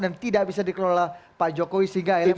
dan tidak bisa dikelola pak jokowi sehingga pak sbe